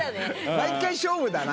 毎回勝負だな。